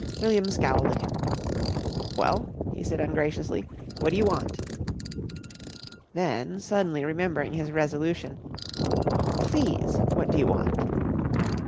William scowled at him. "Well," he said ungraciously, "what d'you want?" Then, suddenly remembering his resolution, "Please what d'you want?"